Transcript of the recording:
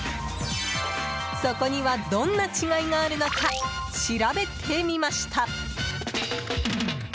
そこには、どんな違いがあるのか調べてみました。